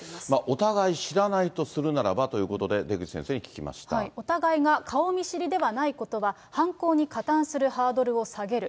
お互い知らないとするならばということで、出口先生に聞きまお互いが顔見知りではないことは犯行に加担するハードルを下げる。